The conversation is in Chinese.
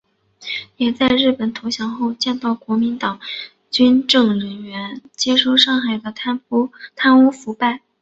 也在日本投降后见到国民党军政人员接收上海的贪污腐败。